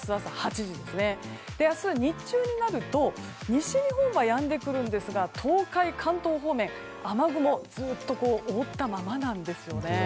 明日日中になると西日本はやんでくるんですが東海、関東方面雨雲ずっと覆ったままなんですよね。